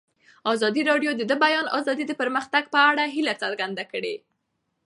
ازادي راډیو د د بیان آزادي د پرمختګ په اړه هیله څرګنده کړې.